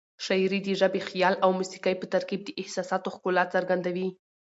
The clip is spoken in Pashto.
شاعري د ژبې، خیال او موسيقۍ په ترکیب د احساساتو ښکلا څرګندوي.